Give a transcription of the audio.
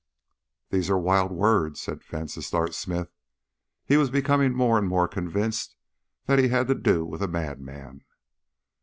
"These are wild words," said Vansittart Smith. He was becoming more and more convinced that he had to do with a madman.